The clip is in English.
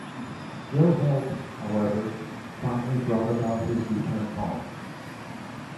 Ill health, however, finally brought about his return home.